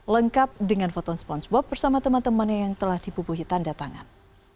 lengkap dengan foto spongebob bersama teman temannya yang telah dipubuhi tanda tangan